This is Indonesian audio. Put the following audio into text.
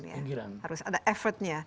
pinggiran harus ada effortnya